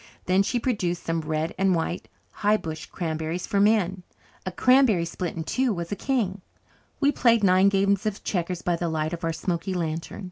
Then she produced some red and white high bush cranberries for men. A cranberry split in two was a king. We played nine games of checkers by the light of our smoky lantern.